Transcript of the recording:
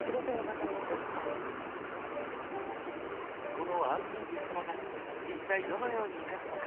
このアンミ・ビスナガ一体どのように生かすのか？